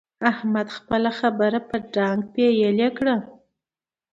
احمد خپله خبره په ډانګ پېيلې کړه.